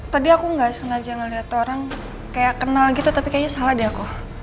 tadi aku nggak sengaja ngeliat orang kayak kenal gitu tapi kayaknya salah di aku